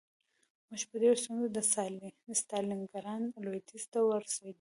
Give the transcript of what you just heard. موږ په ډېره ستونزه د ستالینګراډ لویدیځ ته ورسېدو